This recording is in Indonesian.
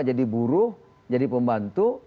jadi buruh jadi pembantu